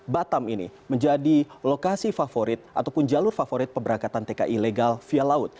batam ini menjadi lokasi favorit ataupun jalur favorit pemberangkatan tki legal via laut